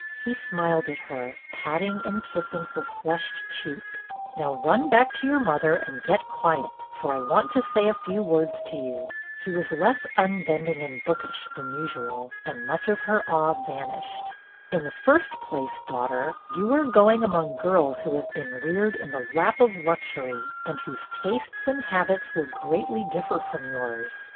He smiled at her, pat ting and kissing her flushed cheek. " Now run back to your mother and get quiet, for I want to say a few words to you." He was less unbending and bookish than usual and much of her awe vanished. " In the first place, daughter, you are going among girls who have been reared in the lap of luxury and whose tastes and habits will greatly differ from yours.